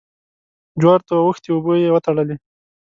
جوارو ته اوښتې اوبه يې وتړلې.